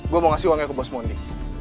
gue mau ngasih uangnya ke bos mondi